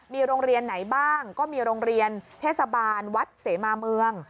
มีโรงเรียนไหนบ้างก็มีโรงเรียนเทศบาลวัดเสมาเมือง